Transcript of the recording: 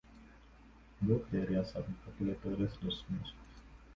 Both areas are popular tourist destinations.